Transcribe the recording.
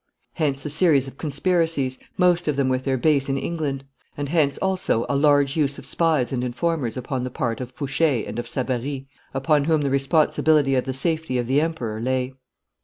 Hence a series of conspiracies, most of them with their base in England; and hence also a large use of spies and informers upon the part of Fouche and of Savary, upon whom the responsibility of the safety of the Emperor lay.